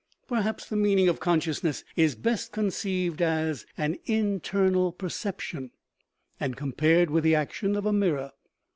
Perhaps the meaning of consciousness is best conceived as an internal perception, and compared with the action of a mirror.